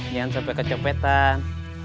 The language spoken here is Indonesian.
biarin sampai kecopetan